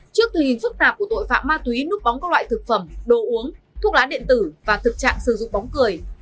trước tình hình phức tạp của tội phạm ma túy núp bóng các loại thực phẩm đồ uống thuốc lá điện tử và thực trạng sử dụng bóng cười